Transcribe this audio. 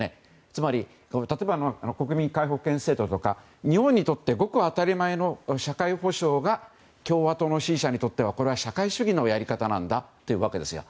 つまり、例えば国民皆保険制度とか日本にとってごく当たり前の社会保障が共和党の支持者にとっては社会主義のやり方なんだというわけですよ。